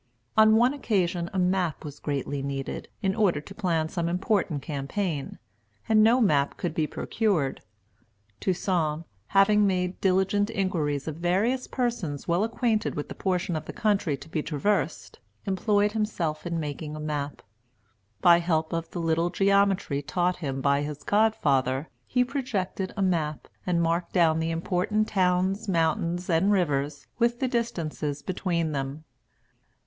On one occasion a map was greatly needed, in order to plan some important campaign, and no map could be procured. Toussaint, having made diligent inquiries of various persons well acquainted with the portion of country to be traversed, employed himself in making a map. By help of the little geometry taught him by his godfather, he projected a map, and marked down the important towns, mountains, and rivers, with the distances between them.